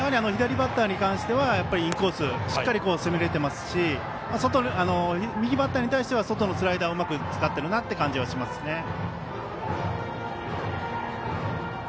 左バッターに関してはインコースをしっかり攻めれていますし右バッターに対しては外のスライダーをうまく使っているなという感じがしますね。